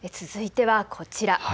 続いてはこちら。